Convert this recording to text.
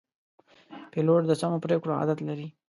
پیلوټ د سمو پرېکړو عادت لري.